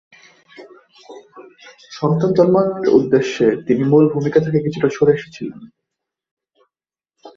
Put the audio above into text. সন্তান জন্মদানের উদ্দেশ্যে তিনি মূল ভুমিকা থেকে কিছুটা সরে এসেছিলেন।